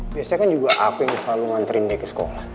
biasanya kan juga aku yang selalu nganterin dia ke sekolah